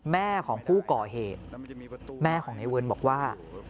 แม่ของผู้ก่อเหตุแม่ของในเวิร์นบอกว่า